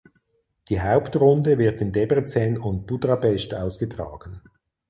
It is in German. Die Hauptrunde wird in Debrecen und Budapest ausgetragen.